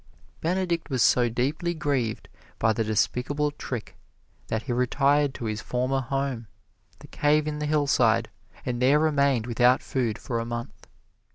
Benedict was so deeply grieved by the despicable trick that he retired to his former home, the cave in the hillside, and there remained without food for a month.